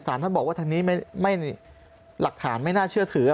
ท่านบอกว่าทางนี้หลักฐานไม่น่าเชื่อถือ